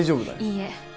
いいえ